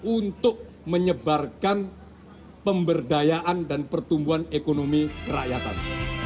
untuk menyebarkan pemberdayaan dan pertumbuhan ekonomi kerakyatan